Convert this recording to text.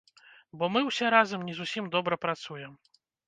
Бо мы, усе разам, не зусім добра працуем.